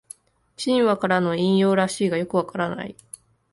神話からの引用らしいがよくわからない